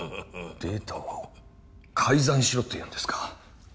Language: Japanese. データを改ざんしろっていうんですか？